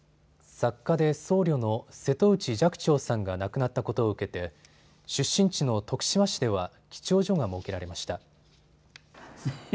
作家で僧侶の瀬戸内寂聴さんが亡くなったことを受けて出身地の徳島市では記帳所が設けられました。